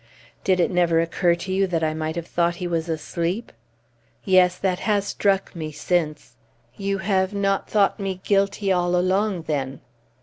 "Did it never occur to you that I might have thought he was asleep?" "Yes, that has struck me since." "You have not thought me guilty all along, then?"